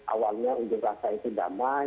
awalnya ujung kerasa itu damai